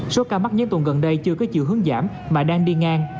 số ca mắc những tuần gần đây chưa có chiều hướng giảm mà đang đi ngang